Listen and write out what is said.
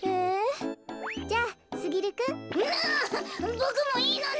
ボクもいいのね。